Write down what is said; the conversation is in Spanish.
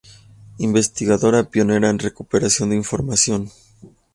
Investigadora pionera en recuperación de información.